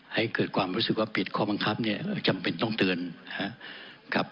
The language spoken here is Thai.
ให้เกิดความรู้สึกว่าผิดข้อบังคับเนี่ยจำเป็นต้องเตือนนะครับ